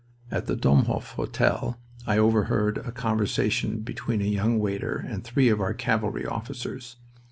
At the Domhof Hotel I overheard a conversation between a young waiter and three of our cavalry officers.